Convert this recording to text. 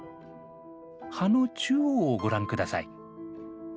葉の中央をご覧ください。